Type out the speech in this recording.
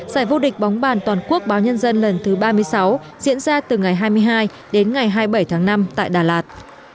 giải vô địch bóng bàn toàn quốc báo nhân dân lần thứ ba mươi sáu diễn ra từ ngày hai mươi hai đến ngày hai mươi bảy tháng năm tại đà lạt